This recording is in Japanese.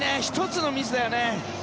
１つのミスだよね。